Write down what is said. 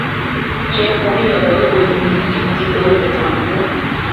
也鼓励了德国移民以及德语的传播。